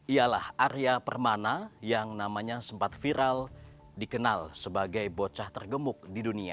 ialah arya permana yang namanya sempat viral dikenal sebagai bocah tergemuk di dunia